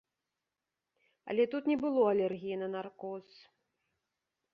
Але тут не было алергіі на наркоз.